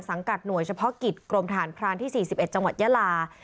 สังกัดหน่วยเฉพาะกิจกรมทหารพรานที่๔๑จังหวัดยะลา